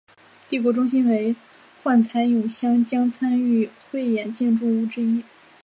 帝国中心为幻彩咏香江参与汇演建筑物之一。